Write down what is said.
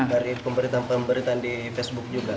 dari pemberitaan pemberitaan di facebook juga